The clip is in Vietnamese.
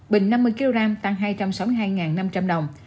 bình năm mươi kg tăng hai trăm sáu mươi hai năm trăm linh đồng